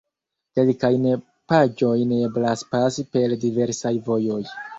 Kelkajn paĝojn eblas pasi per diversaj vojoj.